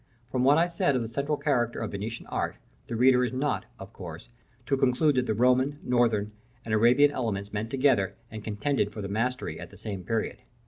From what I said of the central character of Venetian art, the reader is not, of course, to conclude that the Roman, Northern, and Arabian elements met together and contended for the mastery at the same period.